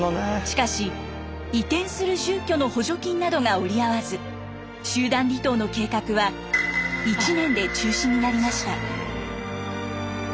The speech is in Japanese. しかし移転する住居の補助金などが折り合わず集団離島の計画は１年で中止になりました。